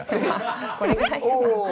これぐらいかな？